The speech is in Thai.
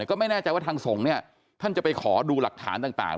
ก็ไม่แน่ใจว่าทางสงฆ์เนี่ยท่านจะไปขอดูหลักฐานต่าง